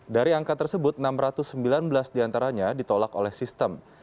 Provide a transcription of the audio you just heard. dari angka tersebut enam ratus sembilan belas diantaranya ditolak oleh sistem